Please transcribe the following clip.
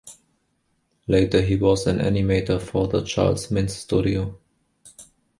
Later he was an animator for the Charles Mintz studio.